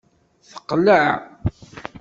Teqleɛ.